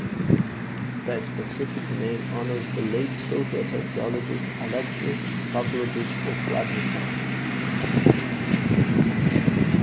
The specific name honours the late Soviet archeologist Alexey Pavlovich Okladnikov.